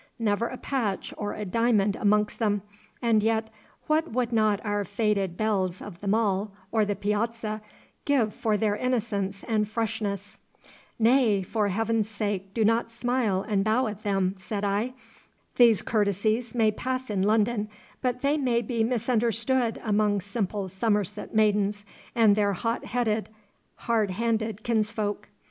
Never a patch or a diamond amongst them, and yet what would not our faded belles of the Mall or the Piazza give for their innocence and freshness?' 'Nay, for Heaven's sake do not smile and bow at them,' said I. 'These courtesies may pass in London, but they may be misunderstood among simple Somerset maidens and their hot headed, hard handed kinsfolk.